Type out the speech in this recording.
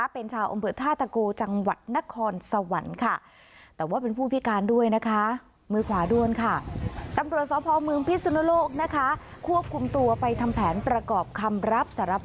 เป็นชาวอำเภอท่าตะโกจังหวัดนครสวรรค์ค่ะ